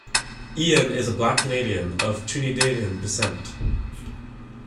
Ien is a Black Canadian of Trinidadian descent.